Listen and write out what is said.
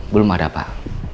belum ada pak